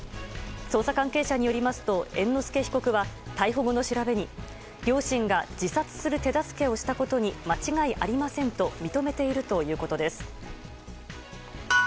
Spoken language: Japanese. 捜査関係者によりますと猿之助被告は逮捕後の調べに両親が自殺する手助けをしたことに間違いありませんと認めているということです。